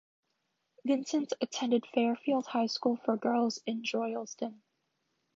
Vincent attended Fairfield High School for Girls in Droylsden.